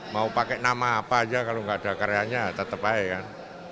mau pakai nama apa aja kalau nggak ada karyanya tetap baik kan